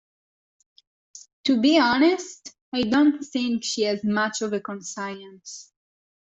To be honest, I don’t think she has much of a conscience.